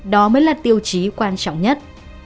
đó mới là tiêu chí quan trọng nhất